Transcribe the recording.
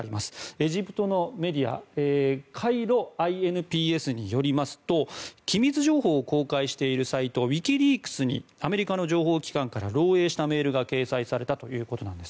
エジプトのメディアカイロＩＮＰＳによりますと機密情報を公開しているサイトウィキリークスにアメリカの情報機関から漏洩したメールが掲載されたということなんです。